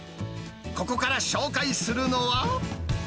ここから紹介するのは。